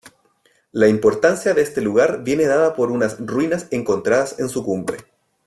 La importancia de este lugar viene dada por unas ruinas encontradas en su cumbre.